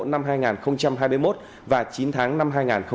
năm hai nghìn hai mươi một và chín tháng năm hai nghìn hai mươi bốn